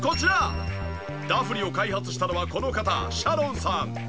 ダフニを開発したのはこの方シャロンさん。